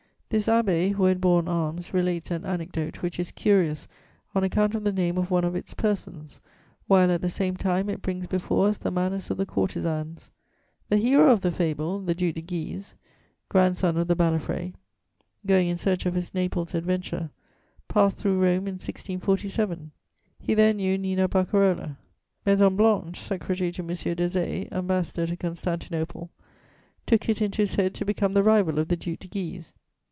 This abbé, who had borne arms, relates an anecdote which is curious on account of the name of one of its persons, while, at the same time, it brings before us the manners of the courtesans. The "hero of the fable," the Duc de Guise, grandson of the Balafré, going in search of his Naples adventure, passed through Rome, in 1647: he there knew Nina Barcarola. Maison Blanche, secretary to M. Deshayes, Ambassador to Constantinople, took it into his head to become the rival of the Duc de Guise.